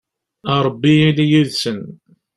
a rebbi ili yid-sen